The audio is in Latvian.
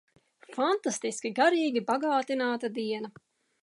Fantastiski garīgi bagātināta diena!